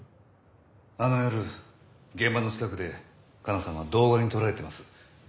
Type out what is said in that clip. あの夜現場の近くで加奈さんは動画に撮られてます。